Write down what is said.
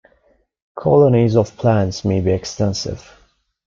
Colonies of plants may be extensive.